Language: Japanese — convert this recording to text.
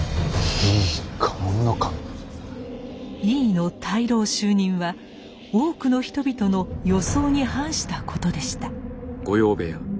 井伊の大老就任は多くの人々の予想に反したことでした。